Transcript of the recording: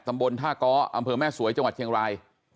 ตำบลท่าก้ออำเภอแม่สวยจังหวัดเชียงราย